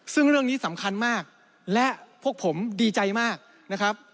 ซึ่งเรื่องนี้สำคัญมากและพวกผมดีใจมากนะครับ